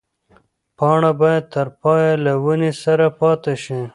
پاڼه باید تر پایه له ونې سره پاتې شي.